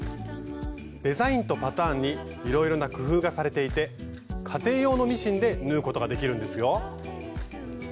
デザインとパターンにいろいろな工夫がされていて家庭用のミシンで縫うことができるんですよ。